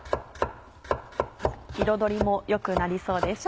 彩りも良くなりそうです。